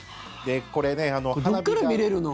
これ、どこから見れるの？